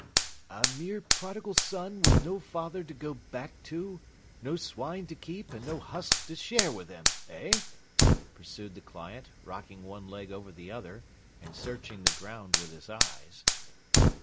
'A mere prodigal son with no father to go back to, no swine to keep, and no husks to share with them? Eh?' pursued the client, rocking one leg over the other, and searching the ground with his eyes.